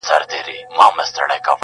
نه حیا له رقیبانو نه سیالانو!!